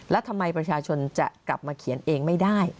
แล้วทำไมประชาชนจะกลับมาเขียนเองไม่ได้